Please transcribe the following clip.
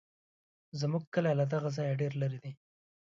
زموږ کلی له دغه ځایه ډېر لرې دی.